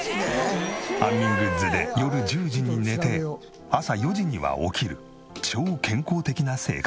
安眠グッズで夜１０時に寝て朝４時には起きる超健康的な生活。